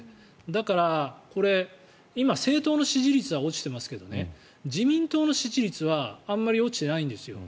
だから、これ、今政党の支持率は落ちてますけどね自民党の支持率はあまり落ちてないんですよ。